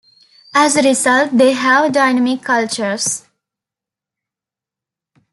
As a result, they have dynamic cultures.